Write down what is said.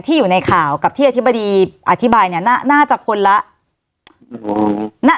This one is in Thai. ที่อยู่ในข่าวกับที่อธิบดีอธิบายเนี้ยน่าน่าจะคนละอ๋อน่า